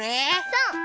そう！